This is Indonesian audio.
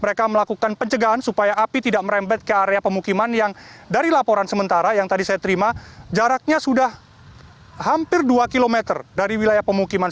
mereka melakukan pencegahan supaya api tidak merembet ke area pemukiman yang dari laporan sementara yang tadi saya terima jaraknya sudah hampir dua km dari wilayah pemukiman